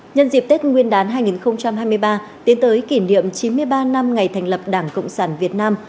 nhân dịp tết nguyên đán hai nghìn hai mươi ba tiến tới kỷ niệm chín mươi ba năm ngày thành lập đảng cộng sản việt nam